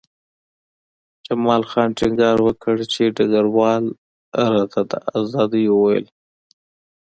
جمال خان ټینګار وکړ چې ډګروال راته د ازادۍ وویل